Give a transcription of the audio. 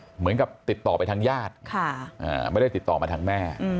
เหมือนกับติดต่อไปทางญาติไม่ได้ติดต่อมาทางแม่